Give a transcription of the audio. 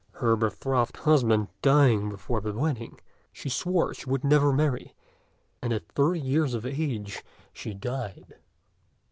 Her betrothed husband dying before the wedding, she swore she would never marry, and at thirty years of age she died.